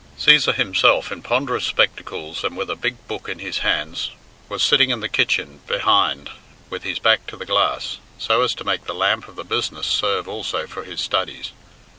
Cæsar himself in ponderous spectacles and with a big book in his hands was sitting in the kitchen behind with his back to the glass, so as to make the lamp of the business serve also for his studies.